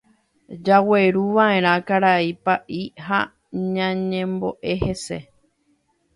Jagueruva'erã karai Pa'i ha ñañembo'e hese.